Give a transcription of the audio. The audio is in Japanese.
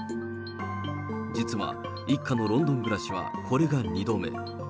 実は一家のロンドン暮らしはこれが２度目。